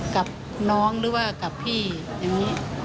กับน้องหรือว่ากับพี่อย่างนี้